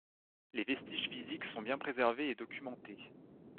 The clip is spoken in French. Les vestiges physiques sont bien préservés et documentés.